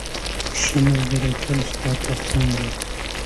ښه ملګری تل ستا تر څنګ وي.